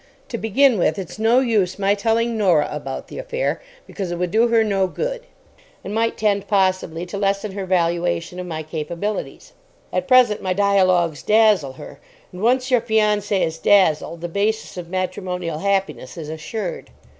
To begin with, it's no use my telling Norah about the affair, because it would do her no good, and might tend possibly to lessen her valuation of my capabilities. At present, my dialogues dazzle her; and once your fiancée is dazzled the basis of matrimonial happiness is assured.